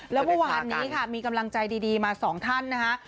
แล้วเมื่อวานนี้ค่ะมีกำลังใจดีมา๒ท่านนะคะ